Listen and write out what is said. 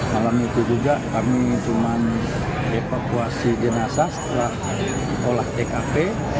malam itu juga kami cuma evakuasi jenazah setelah olah tkp